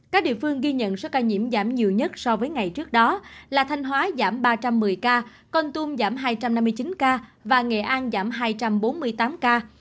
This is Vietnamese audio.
các địa phương ghi nhận số ca nhiễm giảm nhiều nhất so với ngày trước đó là thanh hóa giảm ba trăm một mươi ca con tum giảm hai trăm năm mươi chín ca và nghệ an giảm hai trăm bốn mươi tám ca